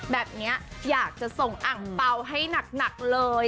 แบบนี้อยากจะส่งอังเปล่าให้หนักเลย